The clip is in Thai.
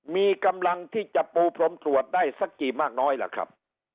มีกำลังที่จะปูพรมตรวจได้สักกี่มากน้อยล่ะครับ